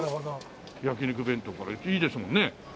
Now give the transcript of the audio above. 焼肉弁当いいですもんね。